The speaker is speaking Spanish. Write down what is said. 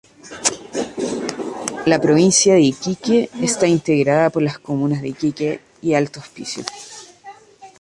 La provincia de Iquique está integrada por las comunas de Iquique y Alto Hospicio.